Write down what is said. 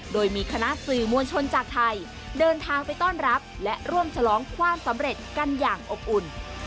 โดยมีคณะสื่อมวลชนจากไทยเดินทางไปต้อนรับและร่วมฉลองความสำเร็จกันอย่างอบอุ่น